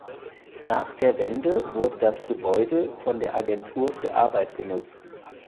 Nach der Wende wurde das Gebäude von der Agentur für Arbeit genutzt.